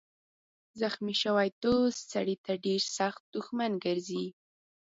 زخمي شوی دوست سړی ته ډېر سخت دښمن ګرځي.